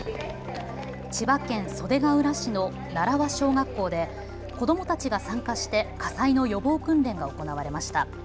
千葉県袖ケ浦市の奈良輪小学校で子どもたちが参加して火災の予防訓練が行われました。